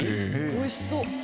おいしそう。